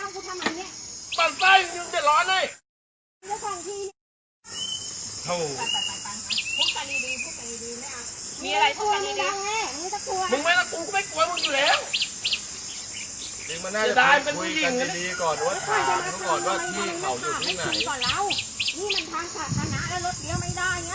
นี่มันทางสาธารณะแล้วรถเรียกไม่ได้